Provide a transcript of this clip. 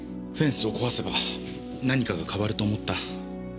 フェンスを壊せば何かが変わると思った？